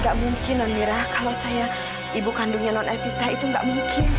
gak mungkin non mira kalau saya ibu kandungnya non evita itu nggak mungkin